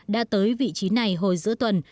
đã tới vị trí này hồi giữa tuần